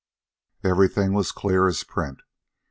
Everything was clear as print.